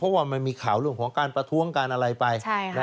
เพราะว่ามันมีข่าวเรื่องของการประท้วงการอะไรไป